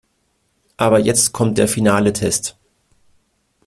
Aber jetzt kommt der finale Test.